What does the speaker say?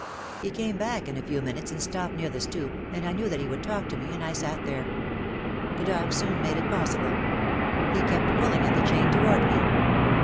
He came back in a few minutes and stopped near the stoop and I knew that he would talk to me and I sat there. The dog soon made it possible. He kept pulling at the chain toward me.